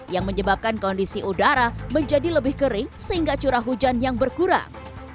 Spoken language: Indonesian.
yang menyebabkan kondisi udara menjadi lebih kering sehingga curah hujan yang berkurang